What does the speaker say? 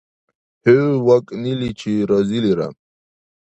ХӀу вакӀниличи разилира!